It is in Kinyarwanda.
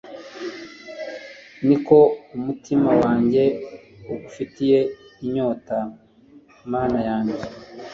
ni ko umutima wanjye ugufitiye inyota, mana yanjye